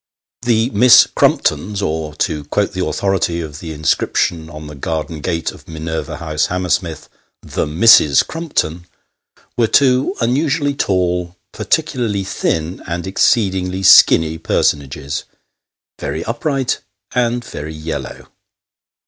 THE Miss Crumptons, or to quote the authority of the inscription on the garden gate of Minerva House, Hammersmith, " The Misses Crumpton," were two unusually tall, particularly thin, and exceedingly skinny personages : very upright, and very yellow.